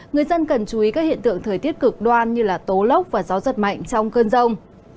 người dân cần chú ý các hiện tượng thời tiết cực đoan như tố lốc và gió giật mạnh trong cơn rông